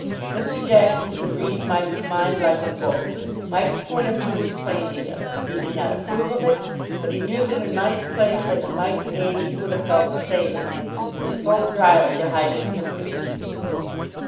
Mr. Jackson could read Mike's mind like a book. Mike's point of view was plain to him. He did not approve of it, but he knew that in Mike's place and at Mike's age he would have felt the same. He spoke drily to hide his sympathy.